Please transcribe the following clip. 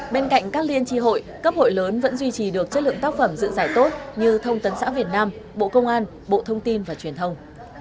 bên cạnh các liên tri hội cấp hội lớn vẫn duy trì được chất lượng tác phẩm dự giải tốt như thông tấn xã việt nam bộ công an bộ thông tin và truyền thông